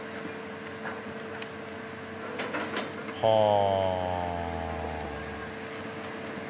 はあ。